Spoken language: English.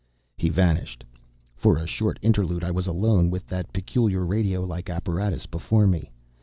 He vanished. For a short interlude I was alone, with that peculiar radio like apparatus before me.